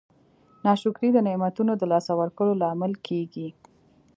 ناشکري د نعمتونو د لاسه ورکولو لامل کیږي.